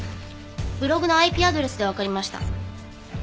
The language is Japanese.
ブログのＩＰアドレスでわかりました。